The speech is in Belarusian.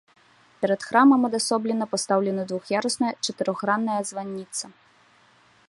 Перад храмам адасоблена пастаўлена двух'ярусная чатырохгранная званіца.